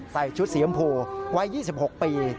ใส่ชุดสีชมพูวัย๒๖ปี